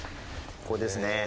ここですね。